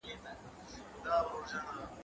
زه پرون ليکنې وکړې!؟